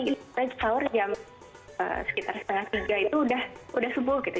kita sahur jam sekitar setengah tiga itu udah subuh gitu